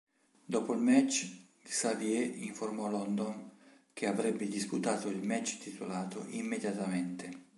Dopo il match, Xavier informò London che avrebbe disputato il match titolato immediatamente.